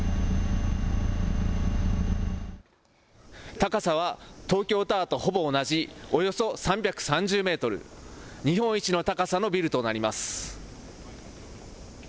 高さは東京タワーとほぼ同じおよそ３３０メートル、日本一の高さのビルとなります。